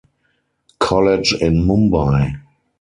College in Mumbai.